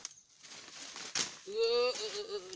สวัสดีทุกคน